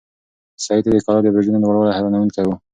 سعید ته د کلا د برجونو لوړوالی حیرانونکی و.